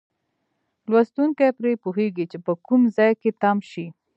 لوستونکی پرې پوهیږي چې په کوم ځای کې تم شي.